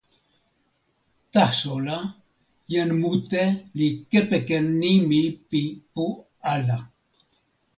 taso la, jan mute li kepeken nimi pi pu ala.